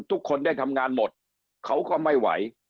ทุกคนได้ทำงานหมดเขาก็ไม่ไหว